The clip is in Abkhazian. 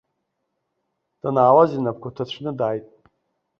Данаауаз инапқәа ҭацәны дааит.